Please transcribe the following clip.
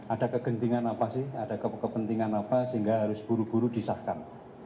ada kegentingan apa sih ada kepentingan apa sehingga harus buru buru disahkan